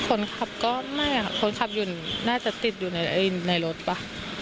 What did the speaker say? คนขับก็ไม่ค่ะคนขับอยู่น่าจะติดอยู่ในรถป่ะ